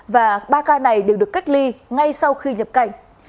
và ba ca này đều được cách ly ngay sau khi nhập cảnh